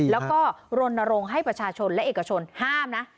แล้วก็รณรงค์ให้ประชาชนและเอกชนห้ามนะ